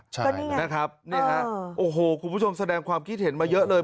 ใช่เลยนะครับนี่ฮะโอ้โหคุณผู้ชมแสดงความคิดเห็นมาเยอะเลย